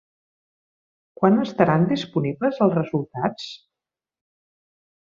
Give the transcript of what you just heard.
Quan estaran disponibles els resultats?